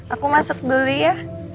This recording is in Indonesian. aku masuk dulu ya